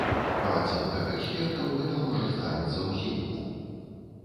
Па ацэнках экспертаў, гэта можа здарыцца ўзімку.